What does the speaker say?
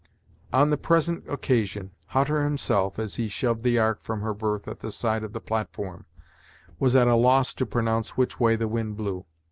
On the present occasion, Hutter himself (as he shoved the ark from her berth at the side of the platform) was at a loss to pronounce which way the wind blew.